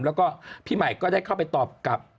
แล้วก็พี่ใหม่ก็ได้เข้าไปตอบกับ